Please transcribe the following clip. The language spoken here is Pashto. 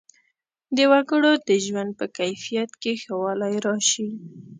د وګړو د ژوند په کیفیت کې ښه والی راشي.